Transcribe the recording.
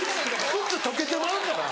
靴溶けてまうから。